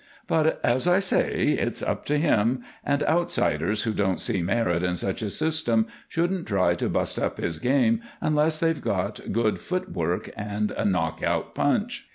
But, as I say, it's up to him, and outsiders who don't see merit in such a system shouldn't try to bust up his game unless they've got good foot work and a knockout punch.